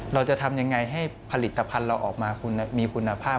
เราจะทำยังไงให้ผลิตภัณฑ์เราออกมาคุณมีคุณภาพ